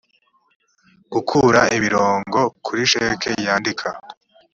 gukura imirongo kuri sheki yandika